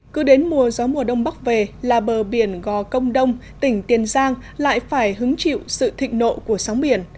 cứ đến mùa gió mùa đông bắc về là bờ biển gò công đông tỉnh tiền giang lại phải hứng chịu sự thịnh nộ của sóng biển